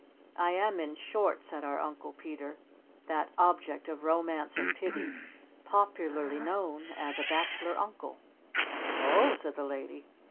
"I am in short," said our Uncle Peter, "that object of Romance and Pity popularly known as a 'Bachelor Uncle.'" "O h," said the Lady.